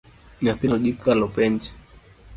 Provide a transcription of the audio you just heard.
Nyathino dhi kalo penj.